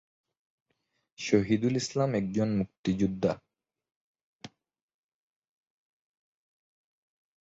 শহিদুল ইসলাম একজন মুক্তিযোদ্ধা।